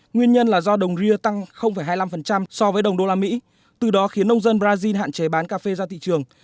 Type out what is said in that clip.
nguyên nhân là do đồng ria tăng hai mươi năm so với đồng đô la mỹ từ đó khiến nông dân brazil hạn chế bán cà phê ra thị trường